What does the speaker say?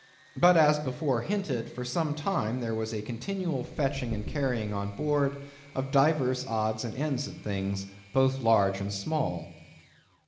But, as before hinted, for some time there was a continual fetching and carrying on board of divers odds and ends of things, both large and small.